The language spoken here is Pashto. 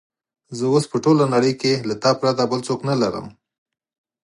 زه اوس په ټوله نړۍ کې له تا پرته بل څوک نه لرم.